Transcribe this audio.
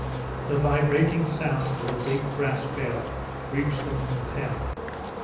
The vibrating sounds of a big brass bell reached them from the town.